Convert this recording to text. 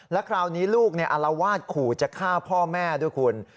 และคราวนี้ลูกเนี่ยอลวาดขู่จะฆ่าพ่อแม่ด้วยคุณ